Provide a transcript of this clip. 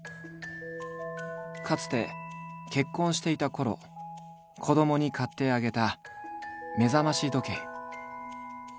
かつて結婚していたころ子どもに買ってあげた目覚まし時計。